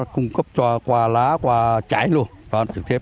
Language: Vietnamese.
cung cấp qua lá qua chải luôn